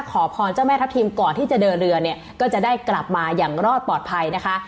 ขอพรเจ้าแม่ทัพทิมก่อนที่จะเดินเรือเนี่ยก็จะได้กลับมาอย่างรอดปลอดภัยนะคะ